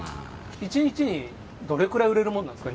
１日にどれくらい売れるものなんですか？